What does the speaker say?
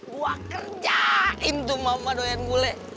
gue kerjain tuh mama doyan bule